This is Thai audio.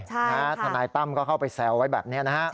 ทนายตั้มก็เข้าไปแซวไว้แบบนี้นะฮะ